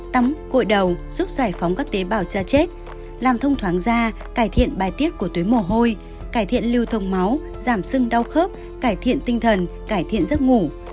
tắm cội đầu giúp giải phóng các tế bào da chết làm thông thoáng da cải thiện bài tiết của túi mồ hôi cải thiện lưu thông máu giảm sưng đau khớp cải thiện tinh thần cải thiện giấc ngủ